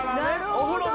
お風呂で。